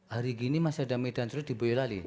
hari gini masih ada medan terus di boyolali